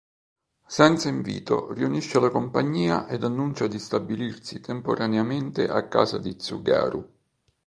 Senza invito, riunisce la compagnia ed annuncia di stabilirsi temporaneamente a casa di Tsugaru.